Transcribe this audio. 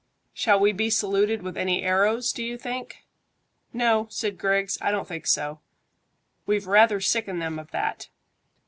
"Shall we be saluted with any arrows, do you think?" "No," said Griggs; "I don't think so. We've rather sickened them of that.